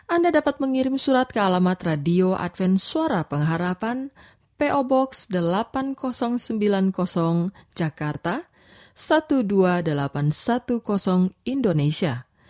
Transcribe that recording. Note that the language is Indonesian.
anda dapat mengirim surat ke alamat radio adventsuara pengharapan po box delapan ribu sembilan puluh jakarta dua belas ribu delapan ratus sepuluh indonesia